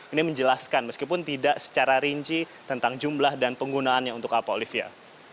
ini menjelaskan meskipun tidak secara rinci tentang jumlah dan penggunaannya untuk apa olivia